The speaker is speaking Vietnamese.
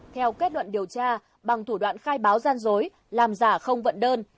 theo kết luận điều tra bằng thủ đoạn khai báo gian dối làm giả không vận đơn